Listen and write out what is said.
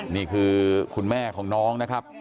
นี่คือคุณแม่ของน้องนะครับ